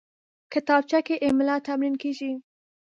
کتابچه کې املا تمرین کېږي